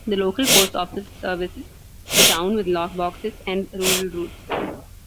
The local post office services the town with lock boxes and rural routes.